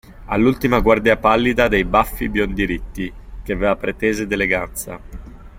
All'ultima guardia pallida dai baffi biondi ritti, che aveva pretese d'eleganza.